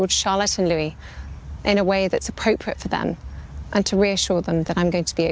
seperti yang saya katakan kepada mereka saya baik baik saja